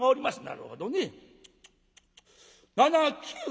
「なるほどね。７９７９。